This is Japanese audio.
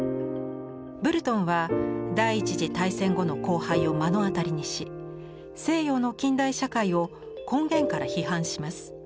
ブルトンは第１次大戦後の荒廃を目の当たりにし西洋の近代社会を根源から批判します。